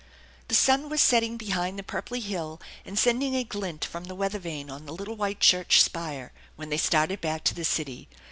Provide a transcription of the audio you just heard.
The sun was setting behind the purply hill and sending a glint from the weather vane on the little white church spire when they started back to the city.